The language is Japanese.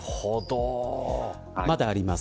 まだあります